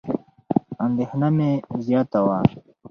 اندېښنه مې زیاته وه.